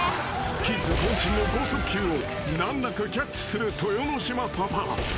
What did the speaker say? ［キッズ渾身の剛速球を難なくキャッチする豊ノ島パパ］